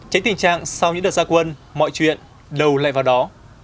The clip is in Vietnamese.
tránh tình trạng sau những đợt gia quân mọi chuyện đều lại vào đó